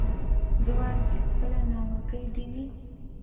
زه وايم چي خپله ناوکۍ دي وي